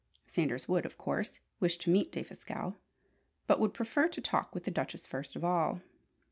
Sanders would, of course, wish to meet Defasquelle, but would prefer to talk with the Duchess first of all.